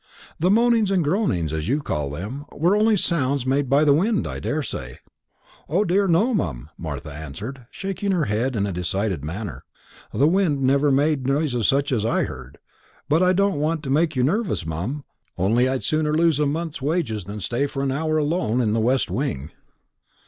"The moanings and groanings, as you call them, were only sounds made by the wind, I daresay." "O dear no, mum," Martha answered, shaking her head in a decided manner; "the wind never made such noises as I heard. But I don't want to make you nervous, mum; only I'd sooner lose a month's wages than stay for an hour alone in the west wing."